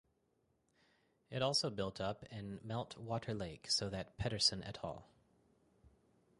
It also built up in an melt water lake so that Pedersen etal.